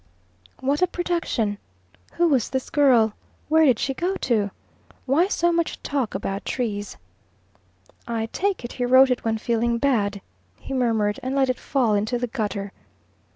What a production! Who was this girl? Where did she go to? Why so much talk about trees? "I take it he wrote it when feeling bad," he murmured, and let it fall into the gutter.